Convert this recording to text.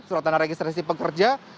surat tanda registrasi pekerja